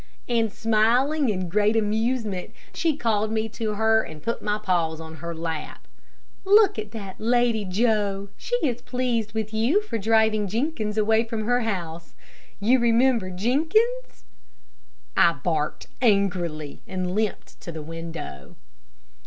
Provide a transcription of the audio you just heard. And smiling in great amusement, she called me to her and put my paws on her lap. "Look at that lady, Joe. She is pleased with you for driving Jenkins away from her house. You remember Jenkins?" I barked angrily and limped to the window.